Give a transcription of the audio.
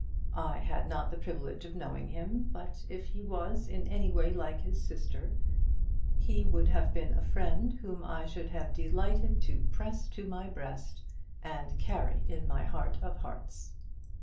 I had not the privilege of knowing him, but if he was in any way like his sister, he would have been a friend whom I should have delighted to press to my breast and carry in my heart of hearts.